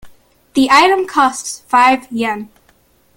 The item costs five Yen.